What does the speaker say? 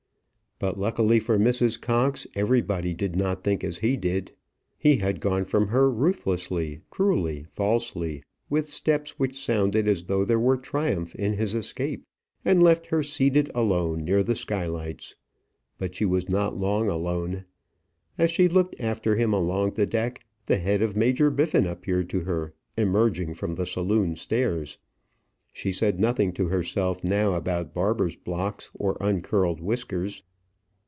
But luckily for Mrs. Cox, everybody did not think as he did. He had gone from her ruthlessly, cruelly, falsely, with steps which sounded as though there were triumph in his escape, and left her seated alone near the skylights. But she was not long alone. As she looked after him along the deck, the head of Major Biffin appeared to her, emerging from the saloon stairs. She said nothing to herself now about barber's blocks or uncurled whiskers.